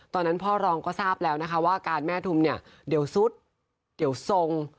ตอนนั้นพ่อรองก็ทราบแล้วนะคะว่าอาการแม่ทุมเนี่ยเดี๋ยวซุดเดี๋ยวทรง